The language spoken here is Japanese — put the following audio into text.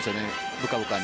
ブカブカに。